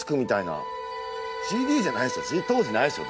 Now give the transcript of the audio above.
当時ないでしょ？